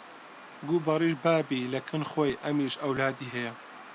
گوو بەڕیش بابی لە کن خۆی ئەمیش ئەولادی هەیە